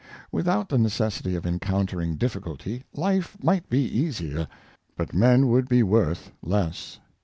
Without the neces sity of encountering difficulty, life might be easier, but men would be worth less.